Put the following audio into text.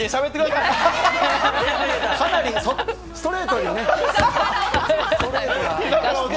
かなりストレートにね。